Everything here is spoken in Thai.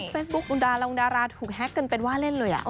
เฟซบุ๊คคุณดาลงดาราถูกแฮ็กกันเป็นว่าเล่นเลย